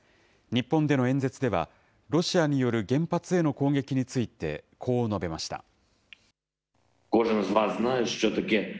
日本での演説では、ロシアによる原発への攻撃について、こう述べました。